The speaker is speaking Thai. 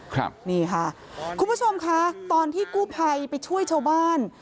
คุณผู้ชมค่ะตอนที่กูภัยไปช่วยชาวบ้าน